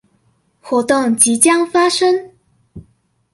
活動即將發生